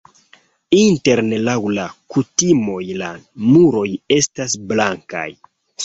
Interne laŭ la kutimoj la muroj estas blankaj.